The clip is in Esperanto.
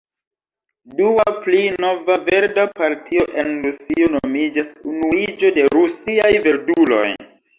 Dua, pli nova, verda partio en Rusio nomiĝas Unuiĝo de Rusiaj Verduloj.